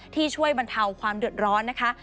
ที่ช่วยบรรเทาความเดือดร้อนนะคะ